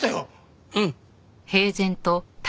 うん。